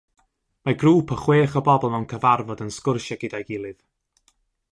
Mae grŵp o chwech o bobl mewn cyfarfod yn sgwrsio gyda'i gilydd.